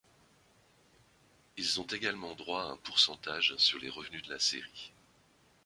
Ils ont également droit à un pourcentage sur les revenus de la série.